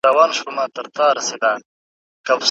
وخت په ډېرې بې رحمۍ او سرعت سره تېرېږي.